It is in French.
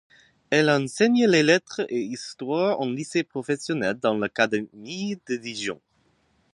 Elle enseigne les lettres et histoire en lycée professionnel dans l'Académie de Dijon.